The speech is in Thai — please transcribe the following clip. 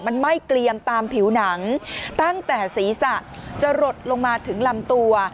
มันไหม้เกลียมตามผิวหนังตั้งแต่ศีรษะจะหลดลงมาถึงลำตัว